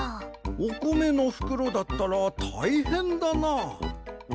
おこめのふくろだったらたいへんだな。